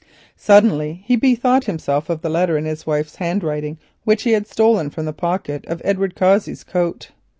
Suddenly he bethought him of the letter in his wife's handwriting which he had stolen from the pocket of Edward Cossey's coat.